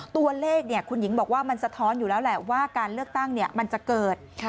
ตัวเลขคุณหญิงบอกว่ามันสะท้อนอยู่แล้วแหละว่าการเลือกตั้งมันจะเกิด